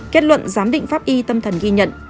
kết luận giám định pháp y tâm thần ghi nhận